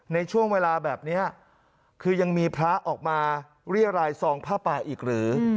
ในช่วงเวลาแบบนี้คือยังมีพระออกมาเรียรายซองผ้าป่าอีกหรือ